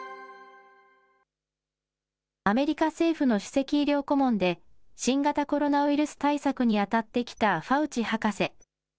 アメリカ政府の首席医療顧問で、新型コロナウイルス対策に当たってきたファウチ博士。